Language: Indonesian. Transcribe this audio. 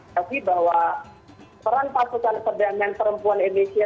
tapi bahwa peran pasukan perdamaian perempuan indonesia